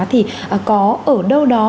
thì có ở đâu đó